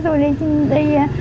tôi đã cái bữa đó